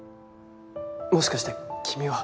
もしかして君は